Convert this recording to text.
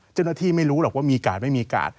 เจ้าหน้าที่ไม่รู้หรอกว่ามีกาดไม่มีกาด